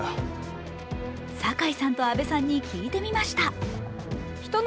堺さんと阿部さんに聞いてみました。